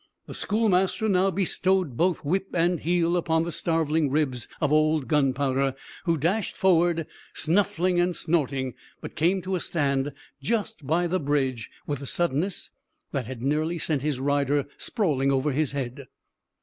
The schoolmaster now bestowed both whip and heel upon the starveling ribs of old Gunpowder, who dashed forward, snuffling and snorting, but came to a stand just by the bridge with a suddenness that had nearly sent his rider sprawling over his head.